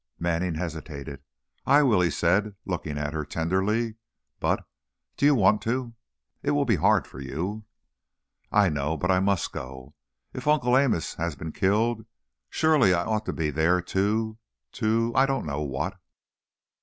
Manning hesitated. "I will," he said, looking at her tenderly, "but do you want to? It will be hard for you " "I know, but I must go. If Uncle Amos has been killed surely I ought to be there to to oh, I don't know what!"